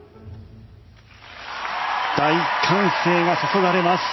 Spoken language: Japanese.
大歓声が注がれます。